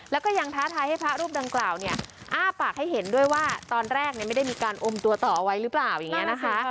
แล้วก็ยังท้าทายให้พระรูปดังกล่าวเนี่ยอ้าปากให้เห็นด้วยว่าตอนแรกไม่ได้มีการอมตัวต่อเอาไว้หรือเปล่าอย่างนี้นะคะ